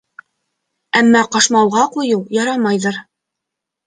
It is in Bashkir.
Әммә ҡашмауға ҡуйыу ярамайҙыр.